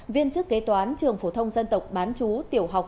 viên chức kế toán trường phổ thông dân tộc bán chú tiểu học